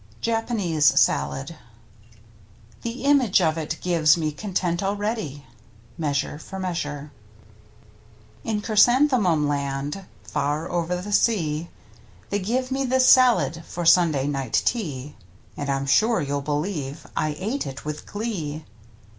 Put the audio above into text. JAPANESE SALAD The image of it gives me content already. — Measure for Measure. In Chrysanthemum Land, far over the sea, They gave me this salad for Sunday night tea, And, I'm sure you'll believe, I ate it with glee.